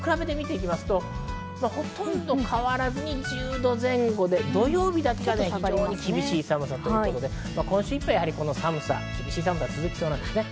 比べますと、ほとんど変わらずに１０度前後で土曜日だけ非常に厳しい寒さということで、今週いっぱい寒さは厳しい寒さが続きそうです。